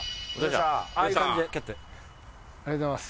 ありがとうございます。